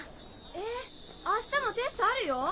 え⁉明日もテストあるよ。